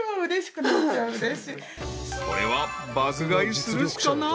［これは爆買いするしかない］